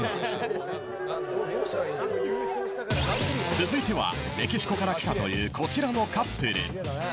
続いては、メキシコから来たというこちらのカップル。